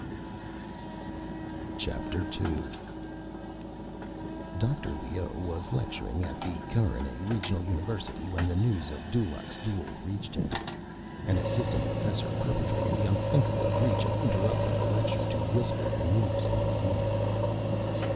II Dr. Leoh was lecturing at the Carinae Regional University when the news of Dulaq's duel reached him. An assistant professor perpetrated the unthinkable breach of interrupting the lecture to whisper the news in his ear.